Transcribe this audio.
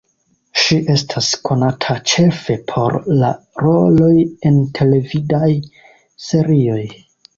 Ŝi estas konata ĉefe por la roloj en televidaj serioj.